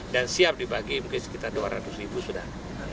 dan siap dibagi mungkin sekitar dua ratus ribu sudah